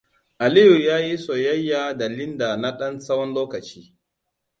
Aliyu yayi soyayya da Linda na ɗan tsawon lokaci.